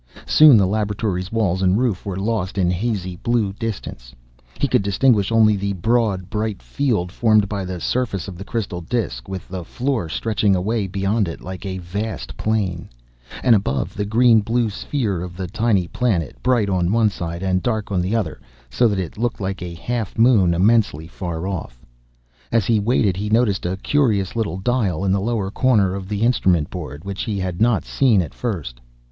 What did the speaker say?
Soon the laboratory's walls and roof were lost in hazy blue distance. He could distinguish only the broad, bright field formed by the surface of the crystal disk, with the floor stretching away beyond it like a vast plain. And above, the green blue sphere of the tiny planet, bright on one side and dark on the other, so that it looked like a half moon, immensely far off. As he waited, he noticed a curious little dial, in a lower corner of the instrument board, which he had not seen at first.